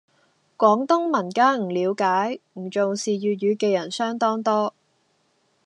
廣東民間唔了解、唔重視粵語嘅人相當多